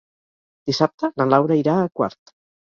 Dissabte na Laura irà a Quart.